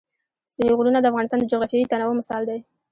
ستوني غرونه د افغانستان د جغرافیوي تنوع مثال دی.